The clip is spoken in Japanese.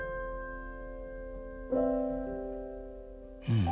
うん。